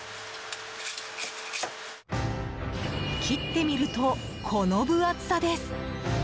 切ってみると、この分厚さです。